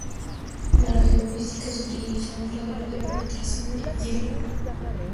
Para geofísica se utiliza un radar de penetración de hielo.